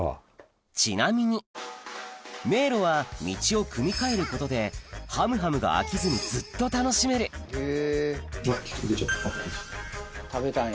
ちなみに迷路は道を組み替えることではむはむが飽きずにずっと楽しめる食べたんや。